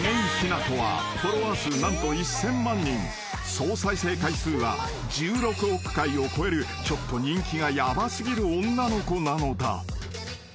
［総再生回数は１６億回を超えるちょっと人気がヤバ過ぎる女の子なのだ］